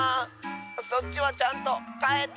そっちはちゃんとかえた？